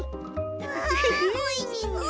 わおいしそう。